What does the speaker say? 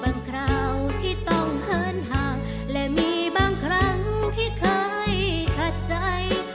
คราวที่ต้องเหินห่างและมีบางครั้งที่เคยขัดใจ